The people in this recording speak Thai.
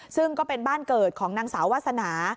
ซึ่งก็เป็นบ้านเกิดของนางสาววาสนา